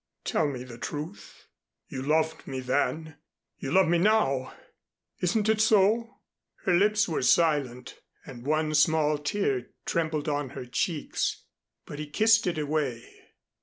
"Tell me the truth. You loved me then. You love me now? Isn't it so?" Her lips were silent, and one small tear trembled on her cheeks. But he kissed it away.